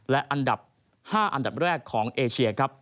และอันดับ๕อันดับแรกของเอเชียครับ